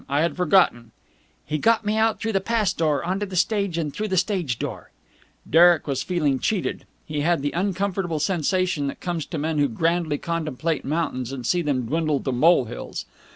I had forgotten." "He got me out through the pass door on to the stage and through the stage door." Derek was feeling cheated. He had the uncomfortable sensation that comes to men who grandly contemplate mountains and see them dwindle to molehills.